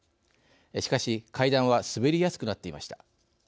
しかし、階段は滑りやすくなっていました。